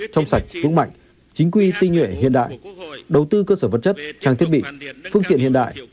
trong sạch vững mạnh chính quy tinh nhuệ hiện đại đầu tư cơ sở vật chất trang thiết bị phương tiện hiện đại